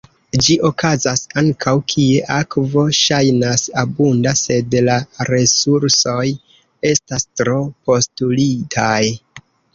Ĝi okazas ankaŭ kie akvo ŝajnas abunda sed la resursoj estas tro-postulitaj.